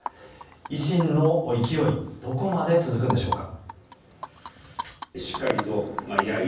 維新の勢いどこまで続くんでしょうか。